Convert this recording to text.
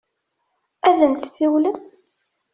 Ad n-tsiwlem?